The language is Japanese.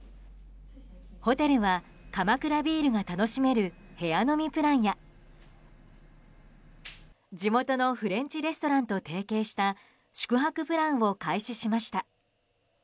ホテルは鎌倉ビールが楽しめる部屋飲みプランや地元のフレンチレストランと提携した宿泊プランを開始しました。